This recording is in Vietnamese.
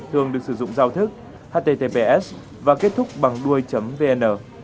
thường được sử dụng giao thức https và kết thúc bằng đuôi vn